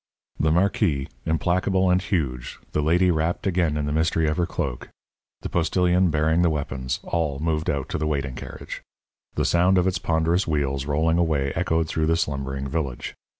The marquis, implacable and huge, the lady wrapped again in the mystery of her cloak, the postilion bearing the weapons all moved out to the waiting carriage. The sound of its ponderous wheels rolling away echoed through the slumbering village.